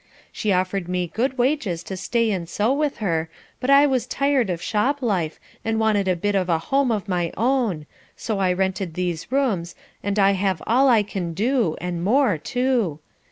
She offered me good wages to stay and sew with her, but I was tired of shop life and wanted a bit of a home of my own, so I rented these rooms, and I have all I can do and more too.